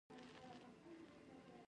د ګلاب زوى هم ځان زما په رنګ جوړ کړى و.